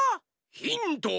ヒント！